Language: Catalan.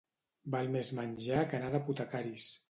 Val més menjar que anar d'apotecaris.